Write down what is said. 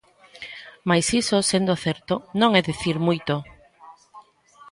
Mais iso, sendo certo, non é dicir moito.